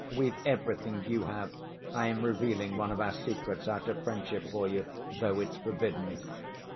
We've everything you have, I am revealing one of our secrets out of friendship for you; though it's forbidden.